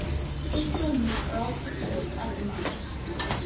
Seafood and meat are also sold at the market.